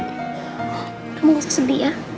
kamu gak usah sedih ya